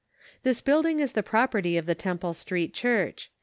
~This building is the property of the Temple Street Church.